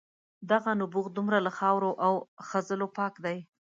دغه نبوغ دومره له خاورو او خځلو پاک دی.